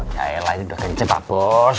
yaelah ini udah kenceng pak bos